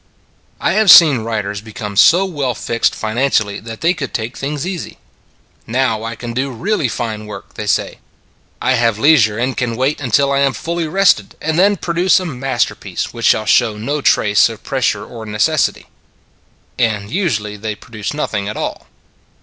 I have seen writers become so well fixed financially that they could take things easy. " Now I can do really fine work," they say. " I have leisure, and can wait until I am fully rested and then produce a master piece which will show no trace of pressure or necessity." And usually they produce nothing at all.